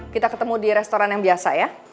kita ketemu di restoran yang biasa ya